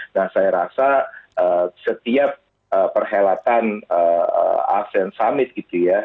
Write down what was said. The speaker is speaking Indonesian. nah saya rasa setiap perhelatan asean summit gitu ya